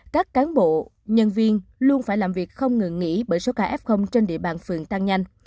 các cán bộ nhân viên luôn phải làm việc không ngừng nghỉ bởi số ca f trên địa bàn phường tăng nhanh